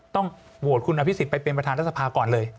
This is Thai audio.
ต้องโหวตคุณอภิษฎไปเป็นประธานรัฐสภาก่อนเลย